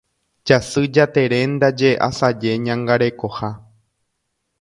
Jasy Jatere ndaje asaje ñangarekoha.